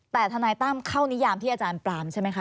แต่ทนายตั้มเข้านิยามที่อาจารย์ปรามใช่ไหมคะ